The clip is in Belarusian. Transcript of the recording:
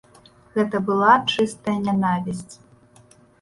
Гэта была чыстая нянавісць.